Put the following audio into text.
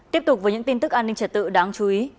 tiếp tục với những tin tức an ninh trật tự đáng chú ý